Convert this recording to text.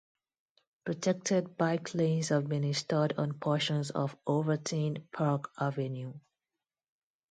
Protected bike lanes have been installed on portions of Overton Park Avenue.